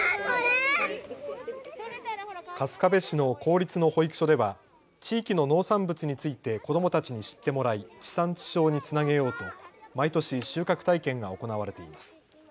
春日部市の公立の保育所では地域の農産物について子どもたちに知ってもらい地産地消につなげようと毎年、収穫体験が行われています。